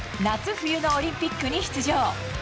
冬のオリンピックに出場。